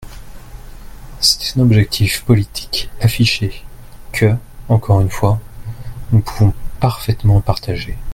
C’était un objectif politique affiché, que, encore une fois, nous pouvons parfaitement partager.